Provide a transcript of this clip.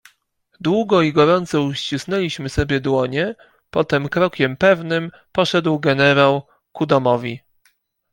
"Długo i gorąco uścisnęliśmy sobie dłonie; potem krokiem pewnym poszedł generał ku domowi."